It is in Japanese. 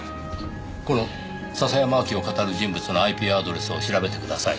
この笹山明希をかたる人物のＩＰアドレスを調べてください。